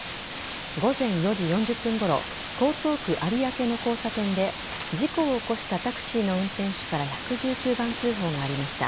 午前４時４０分ごろ江東区有明の交差点で事故を起こしたタクシーの運転手から１１９番通報がありました。